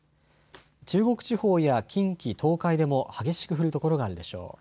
中国地方や近畿、東海でも激しく降る所があるでしょう。